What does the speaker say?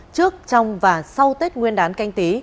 trước trong và sau tết nguyên đán canh tí